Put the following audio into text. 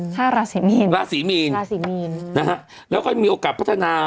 ถ้าราศีมีนราศีมีนแล้วก็มีโอกาสพัฒนา